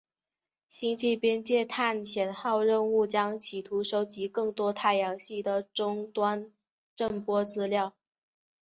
星际边界探险号任务将企图收集更多太阳系的终端震波资料。